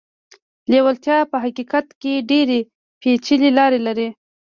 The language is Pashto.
لېوالتیا په حقيقت کې ډېرې پېچلې لارې لري.